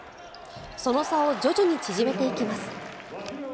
その差を徐々に縮めていきます。